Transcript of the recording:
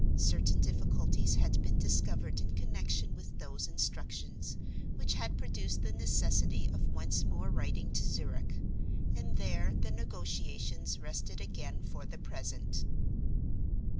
Certain difficulties had been discovered in connection with those instructions, which had produced the necessity of once more writing to Zurich. And there "the negotiations" rested again for the present.